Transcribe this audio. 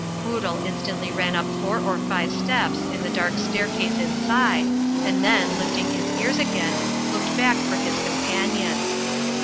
Quoodle instantly ran up four or five steps in the dark staircase inside, and then, lifting his ears again, looked back for his companion.